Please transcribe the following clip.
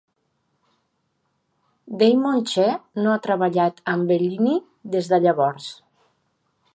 Damon Che no ha treballat amb Bellini des de llavors.